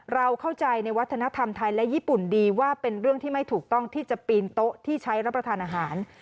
เราเข้าใจในวัฒนธรรมไทยและญี่ปุ่นดีว่าเป็นเรื่องที่ไม่ถูกต้องที่จะปีนโต๊ะที่ใช้รับประทานอาหาร